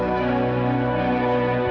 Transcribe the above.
saya kena maafkan tante